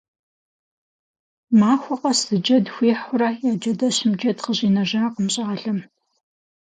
Махуэ къэс зы джэд хуихьурэ, я джэдэщым джэд къыщӏинэжакъым щӏалэм.